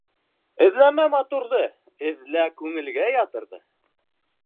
Эҙләмә матурҙы, эҙлә күңелгә ятырҙы.